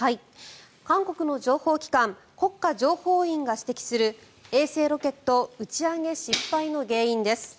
韓国の情報機関国家情報院が指摘する衛星ロケット打ち上げ失敗の原因です。